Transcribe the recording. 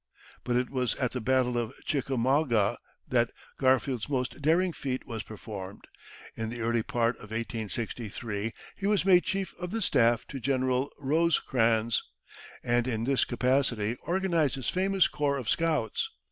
But it was at the battle of Chickamauga that Garfield's most daring feat was performed. In the early part of 1863 he was made chief of the staff to General Rosecrans, and in this capacity organised his famous corps of scouts.